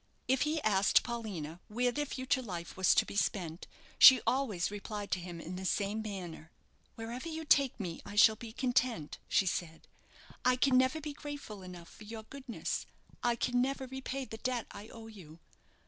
If he asked Paulina where their future life was to be spent she always replied to him in the same manner. "Wherever you take me I shall be content," she said. "I can never be grateful enough for your goodness; I can never repay the debt I owe you.